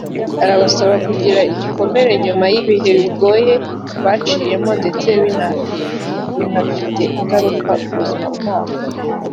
arabasaba gukira ibikomere nyuma y’ibihe bigoye baciyemo ndetse binafite ingaruka ku buzima bwabo